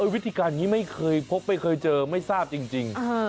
วิธีการนี้ไม่เคยพบไม่เคยเจอไม่ทราบจริง